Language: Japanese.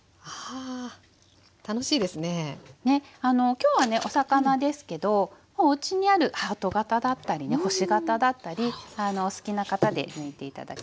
きょうはねお魚ですけどもうおうちにあるハート型だったりね星型だったりお好きな型で抜いて頂ければいいですね。